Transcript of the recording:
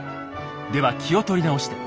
では気を取り直して。